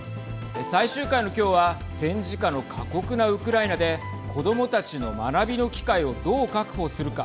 最終回の今日は戦時下の過酷なウクライナで子どもたちの学びの機会をどう確保するか。